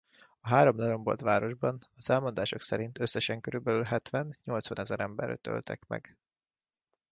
A három lerombolt városban az elmondások szerint összesen körülbelül hetven-nyolcvanezer embert öltek meg.